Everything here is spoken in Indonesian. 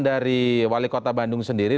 dari wali kota bandung sendiri